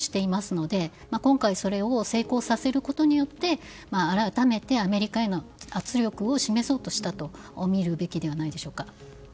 失敗もしていますので今回それを成功させることによって改めてアメリカへの圧力を示そうとしたとみるべきではないでしょうか。